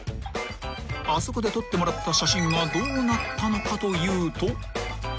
［あそこで撮ってもらった写真がどうなったのかというと］